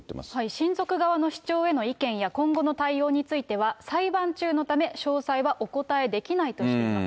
親族側の主張への意見や今後の対応については、裁判中のため、詳細はお答えできないとしています。